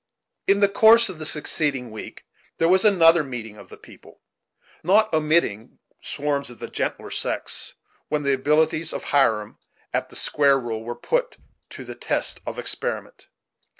In the course of the succeeding week there was another meeting of the people, not omitting swarms of the gentler sex, when the abilities of Hiram at the "square rule" were put to the test of experiment.